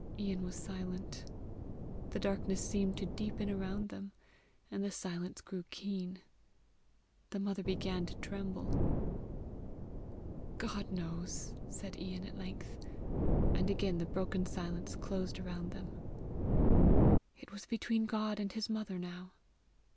Ian was silent. The darkness seemed to deepen around them, and the silence grew keen. The mother began to tremble. "GOD KNOWS," said Ian at length, and again the broken silence closed around them. It was between God and his mother now!